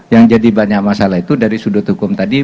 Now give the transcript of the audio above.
yang jadi banyak masalah itu dari sudut hukum tadi